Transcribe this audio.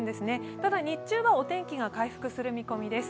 ただ、日中は、お天気が回復する見込みです。